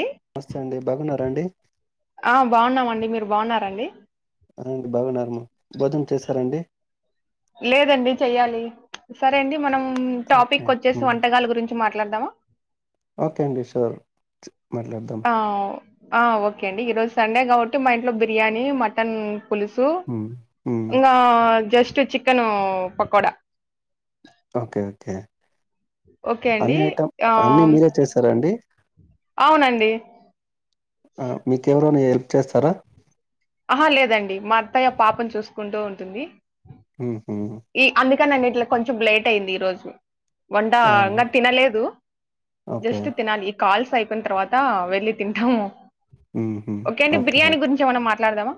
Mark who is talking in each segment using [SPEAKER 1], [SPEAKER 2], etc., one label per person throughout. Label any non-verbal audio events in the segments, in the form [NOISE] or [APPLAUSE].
[SPEAKER 1] ఏంది
[SPEAKER 2] నమస్తే అండి బాగున్నారా అండి.
[SPEAKER 1] ఆ బాగున్నామండి మీరు బాగున్నారండి.
[SPEAKER 2] అవును బాగున్నమా బోజనం చేశారండి
[SPEAKER 1] లేదండి చెయాలి. సరే అండి మనం
[SPEAKER 2] ఓకే
[SPEAKER 1] టాపిక్ వచ్చేసి
[SPEAKER 2] హ్మ్.
[SPEAKER 1] వంటకల గురించి మాట్లాడదామా
[SPEAKER 2] ఓకే అండి సార్ మట్లాడద్దాం
[SPEAKER 1] ఆ ఓకే అండి ఈరోజు సండే కాబట్టి మా ఇంట్లో బిర్యానీ మటన్ పులుసు
[SPEAKER 2] హ్
[SPEAKER 1] ఇంకా just chicken pakoda.
[SPEAKER 2] Okay okay
[SPEAKER 1] okay అండి
[SPEAKER 2] అన్ని ఐటం
[SPEAKER 1] ఆ
[SPEAKER 2] అన్ని మీరే చేశారండి.
[SPEAKER 1] అవునండి
[SPEAKER 2] ఆ మీకెవరోన్న హెల్ప్ చేస్తారా
[SPEAKER 1] ఆహా లేదండి మా అత్తయ్య పాపను చూసుకుంటూ ఉంటుంది.
[SPEAKER 2] ఉహు
[SPEAKER 1] ఈ అందుకని అన్నింట్లా కొంచెం లేట్ అయింది ఈ రోజు వంట
[SPEAKER 2] ఆ!
[SPEAKER 1] ఇంగా తినలేదు
[SPEAKER 2] ఓకే
[SPEAKER 1] జస్ట్ తినాలి కాల్స్ అయిపోయిన తర్వాత వెళ్ళి తింటాము,
[SPEAKER 2] హుహు.
[SPEAKER 1] ఓకే అండి బిర్యానీ
[SPEAKER 2] ఓకే
[SPEAKER 1] గురించి ఏమన్నా మాట్ ట్లాడదామా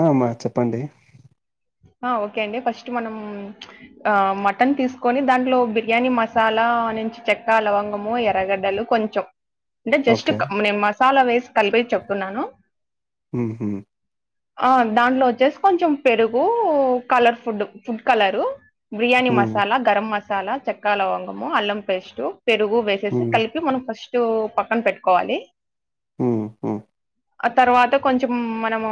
[SPEAKER 2] ఆ అమ్మ చెప్పండి
[SPEAKER 1] ఆ ఓకే అండి ఫస్ట్ మనము ఆ మటన్ తీస్కొని దాంట్లో బిర్యానీ మసాలా నుంచి చెక్క, లవంగము, ఎర్రగడ్ డ్డలు కొంచెం అంటే జస్ట్
[SPEAKER 2] ఓకే
[SPEAKER 1] క నేన్ మసాలా వేస్ కలిపే చెప్తున్నాను
[SPEAKER 2] ఉహు
[SPEAKER 1] ఆ దాంట్లో ఒచ్చేస్ కొంచెం పెరుగు, colour food food colour biryani
[SPEAKER 2] హ్మ్.
[SPEAKER 1] మసాలా, గరం మసాలా, చెక్కా లవంగము, అల్లం పేస్టు, పెరుగు వేసేసి
[SPEAKER 2] హ్మ్.
[SPEAKER 1] కల్ప్ పి మనం ఫస్ట్ పక్కన పెట్టుకోవాలి
[SPEAKER 2] ఉమ్ హు
[SPEAKER 1] ఆ తర్వాత కొంచెం మనము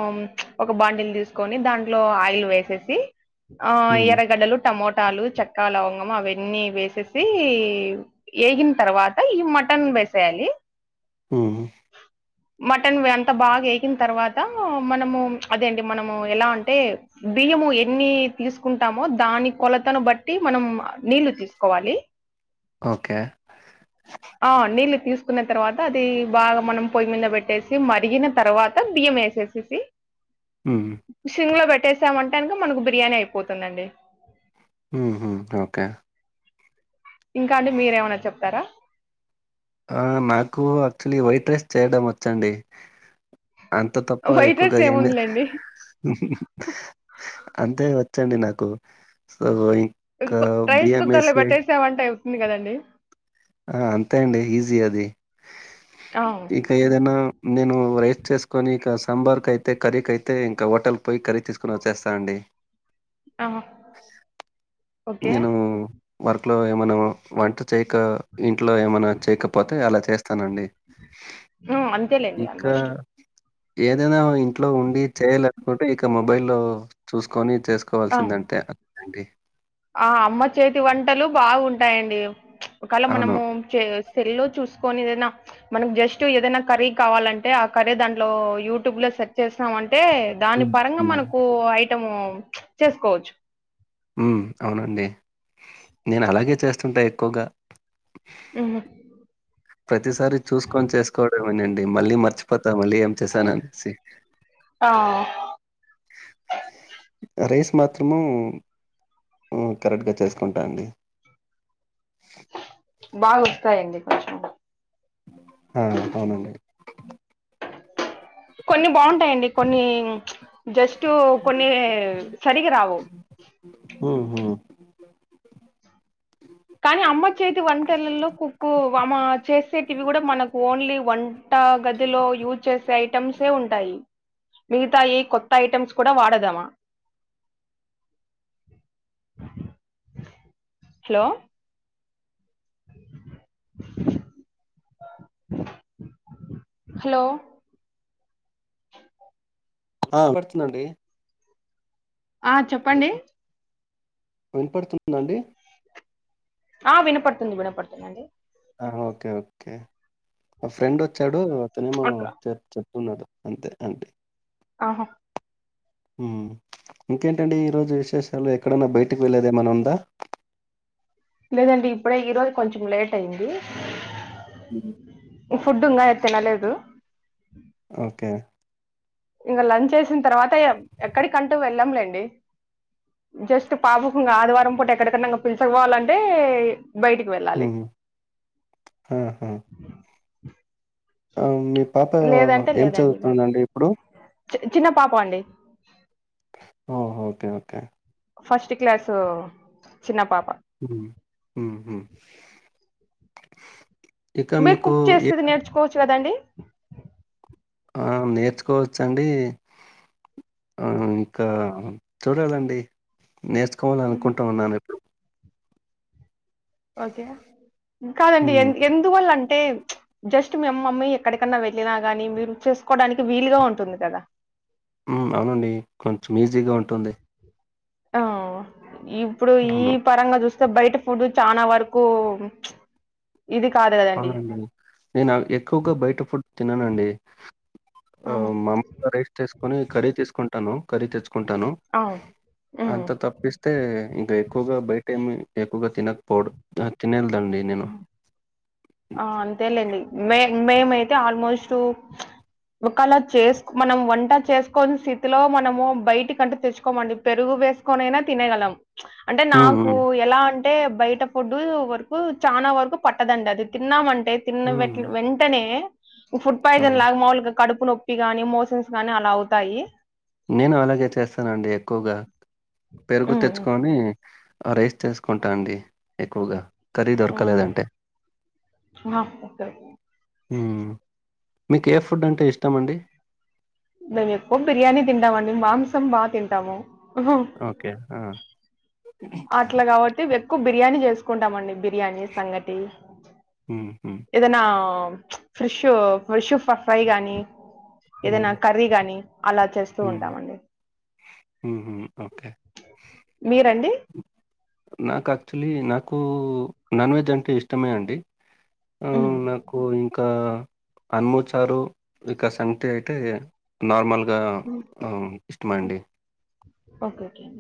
[SPEAKER 1] ఒక బాండిల్ తీస్కొని దాంట్లో ఆయిల్ వేసేసి ఆ
[SPEAKER 2] హ్మ్.
[SPEAKER 1] ఎర్రగడ్డలు, టమోటాలు, చెక్క లవంగం అవేన్నీ వేసేసి ఏగిన్ తర్వాత ఈ మటన్ వేసేయాలి
[SPEAKER 2] ఉమ్మ్
[SPEAKER 1] మటన్ వేఅంత బాగ్ వేగిన్ తర్వాత మనము అదేంటి మనము ఎలా అంటే బియ్యము ఎన్ని తీసుకుంటామో దాని కొలతను బట్టి, మనం నీళ్ళు తీసుకోవాలి.
[SPEAKER 2] ఓకే
[SPEAKER 1] ఆ నీళ్ళు తీసుకున్న తర్వాత అది బాగా మనం పొయ్యి మీద పెట్టేసి మరిగిన తర్వాత బియ్యం ఏస్ చేసేసి
[SPEAKER 2] ఉమ్
[SPEAKER 1] సిమ్ లో పెట్టేసామంటంక మనకు బిర్యానీ అయిపోతుందండి.
[SPEAKER 2] ఉహ్మ్ ఓకే
[SPEAKER 1] ఇంకా అండి మీరేమన్న చెప్తారా
[SPEAKER 2] ఆ నాకు యాక్చువల్లీ వైట్ రైస్ చేయడం వచ్చండి. అంత తప్ప
[SPEAKER 1] వైట్ రైస్
[SPEAKER 2] ఎక్కువగా ఏమి
[SPEAKER 1] ఏముందిలేండి
[SPEAKER 2] అంతే వచ్చండి నాకు, సో ఇ
[SPEAKER 1] ఇంకో రైస్ కుక్కర్ లో పెట్టేసమంటే అయితుంది కదండి.
[SPEAKER 2] ఆ అంతే అండి ఈజీ అది
[SPEAKER 1] ఆ
[SPEAKER 2] ఇగ్ కా ఏదన్నా నేను రైస్ చేసుకోని ఇక సాంబార్ కైతే, కర్రీకైతే ఇంకా హోటల్ పోయి కర్రీ తీసుకుని ఒచ్చేస్తా అండి.
[SPEAKER 1] ఆహా
[SPEAKER 2] నేను వర్క్లో ఏమన్నా వంట చేయక ఇంట్లో ఏమన్న చేయకపోతే అలా చేస్తానండి.
[SPEAKER 1] ఉమ్, అంతేలేండి
[SPEAKER 2] ఇంకా
[SPEAKER 1] ఆల్మోస్ట్
[SPEAKER 2] ఏదైనా ఇంట్లో ఉండి చేయాలనుకుంటే ఇక మొబైలో చూసుకొని చేస్
[SPEAKER 1] ఆ
[SPEAKER 2] కోవాల్సిందంతే అండి.
[SPEAKER 1] ఆ అమ్మ చేతి వంటలు బాగుంటాయండి ఒకళ
[SPEAKER 2] అవును.
[SPEAKER 1] మనము చే సెల్లో చూసుకోనేదనా మనకు జస్టు ఏదన్న కర్రీ కావాలంటే ఆ కర్రీ దాంట్లో యూటూబ్ లో సెర్చ్ చేసామంటే దాని
[SPEAKER 2] హ్మ్.
[SPEAKER 1] పరంగా
[SPEAKER 2] హ్మ్.
[SPEAKER 1] మనకు ఐటము చేసుకోవచ్చు
[SPEAKER 2] హూ అవునండి నేనలాగే చేస్తుంటా ఎక్కువగా
[SPEAKER 1] ఊ హా
[SPEAKER 2] ప్రతిసారి చూస్కొని చేస్కోవడంమేనండి మళ్ళీ మర్చిపోతా మళ్ళీ ఏం చేసాననేసి
[SPEAKER 1] టా
[SPEAKER 2] రైస్ మాత్రము హు కరెక్ట్గా చేసుకుంటా అండి
[SPEAKER 1] బాగొస్తాయండి కొంచెం
[SPEAKER 2] ఆ అవునండి
[SPEAKER 1] కొన్ని బాంటాయండి కొన్ని జస్టు కొన్ని సరిగి రావు
[SPEAKER 2] ఉహు
[SPEAKER 1] కానీ అమ్మ చేతి వంటలల్లో కుక్కు వామ చేసేటివి కూడా మనకు ఓన్లీ వన్ ట్ట గదిలో యూజ్ చేసే ఐటమ్సే ఉంటాయి మిగతా ఈ కొత్త ఐటెమ్స్ కూడా వాడదమా
[SPEAKER 2] [UNINTELLIGIBLE]
[SPEAKER 1] హలో హలో
[SPEAKER 2] ఆ వినపడుతుందండి
[SPEAKER 1] ఆ చెప్పండి
[SPEAKER 2] వినపడుతుందఅండి
[SPEAKER 1] ఆ వినపడుతుంది వినపడుతుందిండి
[SPEAKER 2] ఆ ఓకే ఓకే ఆ ఫ్రెండ్ వచ్చాడు అతనేమో
[SPEAKER 1] అక్క
[SPEAKER 2] చె చెప్తున్నాడు అంతే అండి
[SPEAKER 1] ఆహో
[SPEAKER 2] హూ ఇంకేంటండి ఈ రోజు విశేషాలు ఎక్కడన్నా బయటికి వెళ్లేదేమన్న ఉందా
[SPEAKER 1] లేదండి ఇప్పుడే ఈరోజు కొంచెం లేట్ అయింది
[SPEAKER 2] ఊహు
[SPEAKER 1] ఈ ఫుడ్ ఉంగా తినలేదు
[SPEAKER 2] ఓకే
[SPEAKER 1] ఇంక లంచ్ వేసిన తర్వాత ఎక్కడికంటూ వెళ్ళాంలేండి జస్టు పాపకుంగ ఆదివారం పూట ఎక్కడికన్నా ఇంగ పిలుచకుపోవాలంటే బయటికి వెళ్
[SPEAKER 2] ఊహు ఆహా ఆ మీ పాప
[SPEAKER 1] లేదంటే
[SPEAKER 2] ఏం
[SPEAKER 1] లేదండి ఇగ
[SPEAKER 2] చదువుతుందండి ఇప్పుడు
[SPEAKER 1] చి చిన్న పాప అండి
[SPEAKER 2] oh okay okay
[SPEAKER 1] first class చిన్న పాప
[SPEAKER 2] హు హు హూ
[SPEAKER 1] మీర్ కుక్ చేసేది నేర్చుకోవచ్చు కదండి
[SPEAKER 2] ఆ నేర్చుకోవచ్చండి ఆ ఇంకా చూడాలండి నేర్చుకోవాలీ అనుకుంటా ఉన్నాను
[SPEAKER 1] ఓకే కాదండి ఎ
[SPEAKER 2] హ్మ్.
[SPEAKER 1] ఎందువల్ల అంటే జస్ట్ మీ అమ్మమ్మీ ఎక్కడికన్నా వెళ్ళినా గానీ మీరు చేస్కోడానికి వీలుగా ఉంటుంది కదా
[SPEAKER 2] మ్మ్ అవునండి కొంచెం ఈజీగా ఉంటుంది.
[SPEAKER 1] ఆ ఇప్పుడు ఈ
[SPEAKER 2] అవును.
[SPEAKER 1] పరంగా చూస్తే బయట ఫుడ్ చానా వరకు ఇది కాదు కదండి
[SPEAKER 2] అవునండి, నేనా ఎక్కువగా బయట ఫుడ్ తిననండి.
[SPEAKER 1] ఆ
[SPEAKER 2] మామ్గా రైస్ తీసుకుని కర్రీ తీసుకుంటాను కర్రీ తెచ్చుకుంటాను
[SPEAKER 1] అవ్
[SPEAKER 2] అంత తప్పిస్తే ఇంకా ఎక్కువగా బయట ఏమి ఎక్కువగా తినకపోడు. తినేల్దండి నేను
[SPEAKER 1] ఆ అంతేలేండి మే మేమైతే ఆల్మోస్ట్ ఒకాలా చేస్ మనం వంట చేసుకొని స్థితిలో మనము బయటి కంటూ తెచ్చుకోమండి పెరుగు వేస్ కొనైనా తినగలం
[SPEAKER 2] [UNINTELLIGIBLE]
[SPEAKER 1] అంటే నాకు
[SPEAKER 2] హ్మ్.
[SPEAKER 1] ఎలా అంటే బయట ఫుడ్డు వరకు చానా వరకు పట్టదండి అది తిన్నామంటే తిన్న
[SPEAKER 2] హ్మ్.
[SPEAKER 1] వెంటనే ఫుడ్ పాయిజన్
[SPEAKER 2] అవును.
[SPEAKER 1] లాగా మౌల్గా కడుపు నొప్పి గాని మోసన్స్ గాని అలా అవుతాయి.
[SPEAKER 2] నేను అలాగే చేస్తానండి ఎక్కువగా, పెరుగు
[SPEAKER 1] హ్మ్
[SPEAKER 2] తెచ్చుకొని ఆ రైస్ చేసుకుంటా అండి ఎక్కువగా, కర్రీ
[SPEAKER 1] అవునా
[SPEAKER 2] దొరకలేదంటే
[SPEAKER 1] ఆ ఓకే
[SPEAKER 2] మ్మ్ మీకు ఏ ఫుడ్ అంటే ఇష్టమండి,
[SPEAKER 1] మేము ఎక్కువ బిర్యానీ తింటామండి మాంసం బా తింటాము
[SPEAKER 2] ఓకే ఆ
[SPEAKER 1] అట్లా కాబట్టి ఎక్కువ బిర్యానీ చేసుకుంటామండి, బిర్యానీ సంగటి
[SPEAKER 2] హ్మ్. హ్మ్.
[SPEAKER 1] ఏదైనా ఫ్రెష్ ఫ్రెష్ ఫ్రై గానీ ఏదైనా కర్రీ గాని అలా చేస్
[SPEAKER 2] మ్మ్ ఊహు ఓకే
[SPEAKER 1] మీరండి
[SPEAKER 2] నాకాక్చువలీ నాకు నాన్ వెజ్ అంటే ఇష్టమే అండి, ఆ
[SPEAKER 1] ఉమ్,
[SPEAKER 2] నాకు ఇంక్ ఆ అనుము చారు ఇక సంటీ అయితే నార్మల్గా
[SPEAKER 1] ఓకే ఓకే అం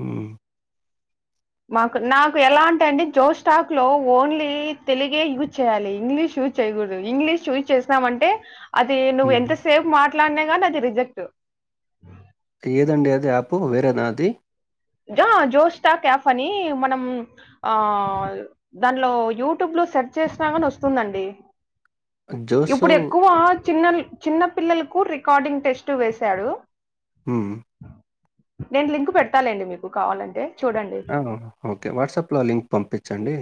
[SPEAKER 2] మ్మ్
[SPEAKER 1] మాకు నాకు ఎలా అంటాండి జోస్టాక్ లో ఓన్లీ తెలుగే యూజ్ చేయాలి ఇంగ్లీష్ యూ చేయకూడదు ఇంగ్లీష్ యూజ్ చేసామంటే అది నువ్వు
[SPEAKER 2] హ్మ్.
[SPEAKER 1] ఎంతసేపు మాట్లాడినా కానీ అది రిజెక్ట్
[SPEAKER 2] ఏదండి అది యాపు వేరేనా అది,
[SPEAKER 1] జోష్టాక్ యాపని మనం ఆ దాన్లో యూట్యూబ్ లో సెర్చ్ చేసినా గానోస్తుందండి,
[SPEAKER 2] జోసు
[SPEAKER 1] ఇప్పుడు ఎక్కువ చిన్న చిన్న పిల్లలకు రికార్డింగ్ టెస్ట్ వేసాడు,
[SPEAKER 2] మ్మ్
[SPEAKER 1] నేను లింక్ పెడతాలేండి మీకు కావాలంటే చూడండి,
[SPEAKER 2] ఒ ఓకే వాట్సాప్లా లింక్ పంపించండి.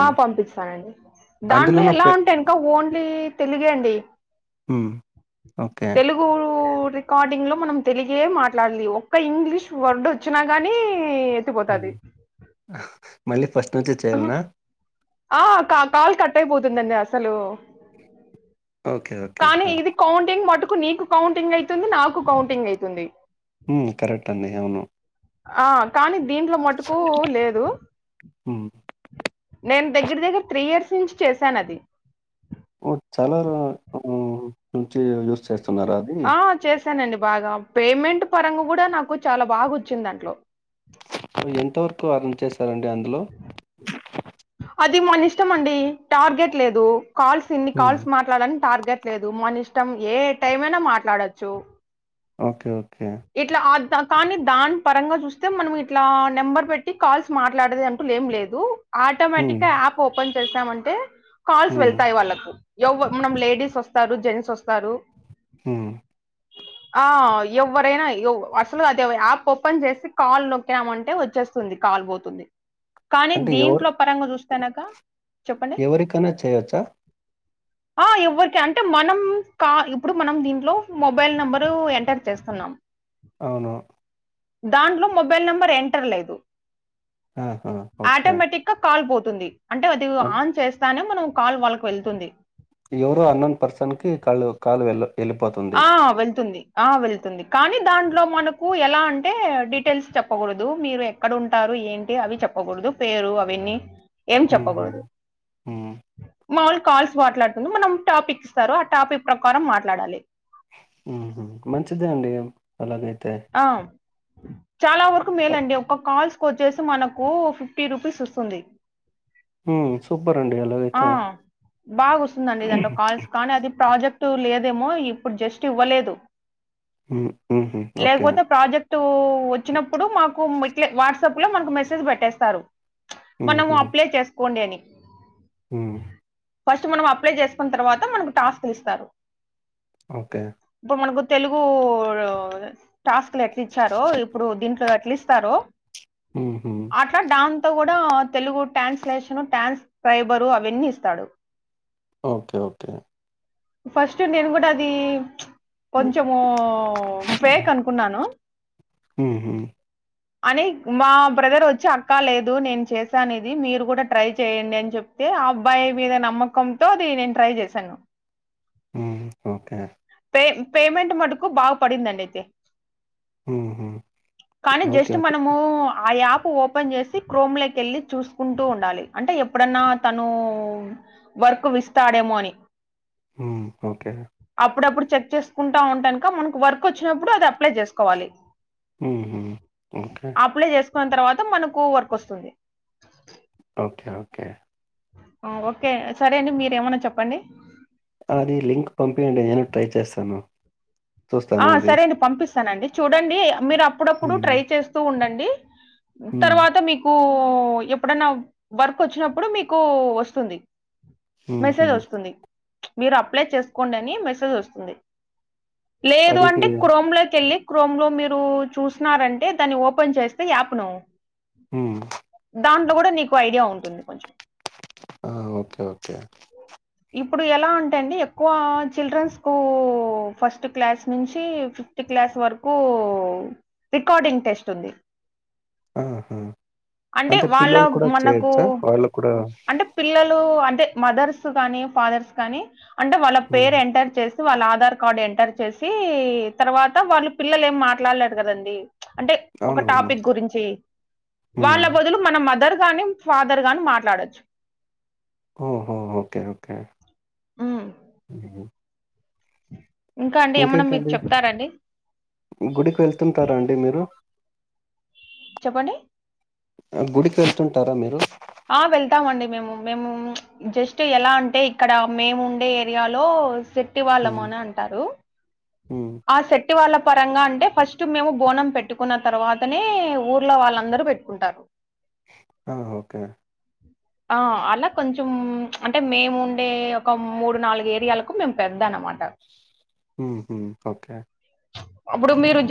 [SPEAKER 1] ఆ పంపిస్తానండి దాంట్లో
[SPEAKER 2] అందులోనూ
[SPEAKER 1] ఎలా
[SPEAKER 2] పె
[SPEAKER 1] ఉంటాయి ఇంకా ఓన్లీ తెలుగే అండి,
[SPEAKER 2] మ్మ్ ఓకే
[SPEAKER 1] తెలుగురూ రికార్డింగ్ లో మనం తెలిగే మాట్లాడ్లీ, ఒక్క ఇంగ్లీష్ వర్డ్ వచ్చినా గాని
[SPEAKER 2] మ్మ్ మళ్ళీ ఫస్ట్ నుంచి చేయ్యాల్నా
[SPEAKER 1] ఆ కా కాల్ కట్ అయిపోతుందండి అసలు,
[SPEAKER 2] ఓకే. ఓకే.
[SPEAKER 1] కానీ
[SPEAKER 2] ఆ!
[SPEAKER 1] ఇది కౌంటింగ్ మటుకు నీకు కౌంటింగ్ అయితుంది నాకు కౌంటింగ్ అయితుంది
[SPEAKER 2] హ్మ్ కరెక్ట్ అండి అవును
[SPEAKER 1] ఆ కానీ దీంట్లో మటుకు లేదు
[SPEAKER 2] హ్మ్.
[SPEAKER 1] నేను దగ్గర దగ్గర త్రీ ఇయర్స్ నుంచి చేశాను అది
[SPEAKER 2] ఓ చాలా రా మ్ నుంచి యూజ్ చేస్
[SPEAKER 1] ఆ చేశానండి బాగా పేమెంట్ పరంగ కూడా నాకు చాలా బాగా వచ్చిందాంట్లో
[SPEAKER 2] ఎంతవరకు అర్న్ చేశారండి అందులో
[SPEAKER 1] అది మన ఇష్టం అండి టార్గెట్ లేదు కాల్స్ ఇన్ని
[SPEAKER 2] హ్మ్.
[SPEAKER 1] కాల్స్ మాట్లాడని టార్గెట్ లేదు మన ఇష్టం ఏ టైం అయినా మాట్లాడొచ్చు
[SPEAKER 2] ఓకే ఓకే
[SPEAKER 1] ఇట్లా ద్ కానీ దాని పరంగా చూస్తే మనం ఇట్లా నెంబర్ పెట్టి కాల్స్ మాట్లాడేది అం టూ లేం లేదు
[SPEAKER 2] హ్మ్.
[SPEAKER 1] ఆటోమేటిక్గా యాప్ ఓపెన్ చేసామంటే కాల్స్
[SPEAKER 2] హ్మ్.
[SPEAKER 1] వెళ్తాయి వాళ్ళకు ఎవ్వ మనం లేడీస్ వస్తారు జెంట్స్ వస్తారు
[SPEAKER 2] హ్మ్
[SPEAKER 1] ఆ ఎవ్వరైనా ఎవ్ అసలు అది యాప్ ఓపెన్ చేసి కాల్ నొక్కినామంటే వచ్చేస్ తుంది కాల్ పోతుంది కానీ దీని
[SPEAKER 2] ఎవరికన్నా చేయొచ్చా
[SPEAKER 1] ఆ ఎవ్వరికి అంటే మనం కా ఇప్పుడు మనం దీంట్లో మొబైల్ నెంబరు ఎంటర్ చేస్తున్నాం
[SPEAKER 2] అవును
[SPEAKER 1] దాంట్లో మొబైల్ నెంబర్ ఎంటర్ లేదు
[SPEAKER 2] ఆహా హో
[SPEAKER 1] ఆటోమేటిక్ గా కాల్ పోతుంది అంటే అది
[SPEAKER 2] అన్
[SPEAKER 1] ఆన్ చేస్తానే మనం కాల్ వాళ్ళకి వెళ్తుంది
[SPEAKER 2] ఎవరో అన్నోన్ పర్సన్ కి కాలు కాల్ వెళ్ వెళ్ళిపోతే
[SPEAKER 1] ఆ వెళ్తుంది ఆ వెళ్తుంది కానీ దాంట్లో మనకు ఎలా అంటే డీటెయిల్స్ చెప్పకూడదు మీరు వక్కడ ఉంటారు ఏంటి అవి చెప్పకూడదు పేరు అవన్నీ ఏం చెప్పకూడదు
[SPEAKER 2] మ్మ్
[SPEAKER 1] మాములు కాల్స్ మాట్లాడుతూ మనం టాపిక్ ఇస్తారు ఆ టాపిక్ ప్రకారం మాట్లాడాలి
[SPEAKER 2] ఉమ్ హు మంచిదే అండి అలాగైతే
[SPEAKER 1] ఆ చాలా వరకు మేలండి ఒక్క కాల్స్ కొచ్చేసి మనకు ఫిఫ్టీ రూపీస్ వస్తుంది
[SPEAKER 2] హ్మ్. సూపర్ అండి
[SPEAKER 1] ఆ
[SPEAKER 2] అలాగైతే.
[SPEAKER 1] బాగా వస్తుందండి దాంట్లో కాల్స్ కానీ అది ప్రాజెక్ ట్ లేదేమో ఇప్పుడు జస్ట్ ఇవ్వలేదు
[SPEAKER 2] మ్ మ్మ్ హు
[SPEAKER 1] లేకపోతే ప్రాజెక్ట్ వచ్చినప్పుడు మాకు ఇ ట్లే వాట్సాప్ లో మనకు మెస్సేజ్ పెట్టేస్తారు మనం
[SPEAKER 2] హుహు.
[SPEAKER 1] అప్లై చేసుకోండి అని
[SPEAKER 2] హ్మ్
[SPEAKER 1] ఫస్ట్ మనం అప్లై చేసుకున్న తర్వాత మనకు టాస్క్ లు ఇస్తారు
[SPEAKER 2] ఓకే
[SPEAKER 1] ఇప్పుడు మనకు తెలుగు [UNINTELLIGIBLE] టాస్క్ లు ఎట్లు ఇచ్చారో ఇప్పుడు దీంట్లో ఎట్లు ఇస్తారో
[SPEAKER 2] మ్మ్ హు
[SPEAKER 1] అట్లా డాంతో కూడా తెలుగు ట్రాన్స్లేషన్ ట్రాన్స్ఫైబర్ అవన్నీ ఇస్తాడు
[SPEAKER 2] ఓకే ఓకే
[SPEAKER 1] ఫస్ట్ నేను కూడా అది ప్చ్ కొంచము ఫేక్ అనుకు కున్నాను..
[SPEAKER 2] హుహు.
[SPEAKER 1] అని మా బ్రదర్ వచ్చి అక్కా లేదు నేను చేశాను ఇది మీరు కూడా ట్రై చేయ్యండి అని చె అయితే ఆ అబ్బాయి మీద నమ్మకంతో అది నేను ట్రై చేశాను
[SPEAKER 2] ఊమ్ ఓకే
[SPEAKER 1] పే పేమెంట్ మటుకు బాగ పడిందండి అయితే
[SPEAKER 2] ఉహు
[SPEAKER 1] కానీ జస్ట్ మనము ఆ యాప్ ఓపెన్ ఓపెన్ చేసి క్రోమ్ లోకి వెళ్ళి చూసుకుంటూ ఉండాలి అంటే ఎప్పుడన్నా తను వర్క్ విస్తాడేమో అని
[SPEAKER 2] ఊమ్ ఓకే
[SPEAKER 1] అప్పుడప్పుడు చెక్ చేసుకుంటా ఉంటానుక మనకు వర్క్ వచ్చినప్పుడు అది అప్లై చేసుకోవాలి
[SPEAKER 2] హుహు. ఓకే.
[SPEAKER 1] అప్లై చేసుకున్న తర్వాత మనకు వర్క్ వస్తుంది
[SPEAKER 2] ఓకే ఓకే
[SPEAKER 1] ఓకే సరే అండి మీరు ఏమన్నా చెప్పండి
[SPEAKER 2] అది లింక్ పంపియండి నేను ట్రై చేస్తాను
[SPEAKER 1] ఆ
[SPEAKER 2] చూస్తాను అది.
[SPEAKER 1] సరే అండి పంపిస్తానండి చూడండి మీరు అప్పుడప్పుడు
[SPEAKER 2] హ్మ్.
[SPEAKER 1] ట్రై చేస్తూ ఉండండి
[SPEAKER 2] హ్మ్.
[SPEAKER 1] తరువాత మీకు ఎప్పుడన్నా వర్క్ వచ్చినప్పుడు మీకు వస్తుంది
[SPEAKER 2] హుహు.
[SPEAKER 1] మెసేజ్ వస్తుంది మీరు అప్లై చేసుకోండి అని మెసేజ్ వస్తుంది లేదు
[SPEAKER 2] అది కి
[SPEAKER 1] అంటే క్రోమ్ లోకి వెళ్ళి క్రోమ్ లో మీరు చూసినారంటే దాన్ని ఓపెన్ చేస్తే యాప్ ను
[SPEAKER 2] ఉమ్
[SPEAKER 1] దాంట్లో కూడా నీకు ఐడియా ఉంటుంది కొంచెం
[SPEAKER 2] ఆ ఓకే ఓకే
[SPEAKER 1] ఇప్పుడు ఎలా అంటే అండి ఎక్కువ చిల్డ్రన్స్ కు ఫస్ట్ క్లాస్ నుంచి ఫిఫ్త్ క్లాస్ వరకు రికార్డింగ్ టెస్ట్ ఉంది
[SPEAKER 2] ఆహా!
[SPEAKER 1] అంటే వాళ్ళ
[SPEAKER 2] పిల్లలు కూడా
[SPEAKER 1] మనకు
[SPEAKER 2] చేయొచ్చా? వాళ్ళు కూడా
[SPEAKER 1] అంటే పిల్లలు అంటే మదర్స్ కానీ ఫాదర్స్ కానీ అంటే వాళ్ళ
[SPEAKER 2] హ్మ్.
[SPEAKER 1] పేరు ఎంటర్ చేస్త వాళ్ళ ఆధార్ కార్డు ఎంటర్ చేసి తర్వాత వాళ్ళు పిల్లలు ఏం మాట్లాడలేడు కదండి అంటే ఒక
[SPEAKER 2] అవునవును.
[SPEAKER 1] టాపిక్ గురించి
[SPEAKER 2] హ్మ్.
[SPEAKER 1] వాళ్ళ బదులు మన మదర్ గాని ఫాదర్ గాని మాట్లాడొచ్చు
[SPEAKER 2] ఓహో ఓకే ఓకే
[SPEAKER 1] ఉమ్
[SPEAKER 2] హ్మ్.
[SPEAKER 1] ఇంకా అండి ఏమన్నా మీరు
[SPEAKER 2] ఇంకేంటండి?
[SPEAKER 1] చెప్తారండి
[SPEAKER 2] గుడికి వెళ్తుంటారా అండి మీరు
[SPEAKER 1] చెప్పండి
[SPEAKER 2] గుడికి వెళ్తుంటారా మీరు
[SPEAKER 1] ఆ వెళ్తామండి మేము మేము జస్ట్ ఎలా అంటే ఇక్కడ మేము ఉండే ఏరియాలో సెట్టి వాళ్ళము అని అంటారు
[SPEAKER 2] ఉ
[SPEAKER 1] ఆ సెట్టి వాళ్ళ పరంగా అంటే ఫస్ట్ మేము బోనం పెట్టుకున్న తర్వాతనే ఊర్లో వాళ్ళందరూ పెట్టు కుంటారు
[SPEAKER 2] ఆ ఓకే
[SPEAKER 1] ఆ అలా కొంచం అంటే మేముండే ఒక మూడు నాలుగు ఏరియాలకు మేము పెద్దా అన్నమాట
[SPEAKER 2] ఉమ్ ఉమ్ ఓకే
[SPEAKER 1] అబ్బుడు మీరు